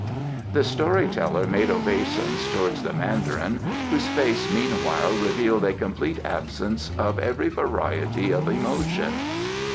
The story teller made obeisance towards the Mandarin, whose face meanwhile revealed a complete absence of every variety of emotion.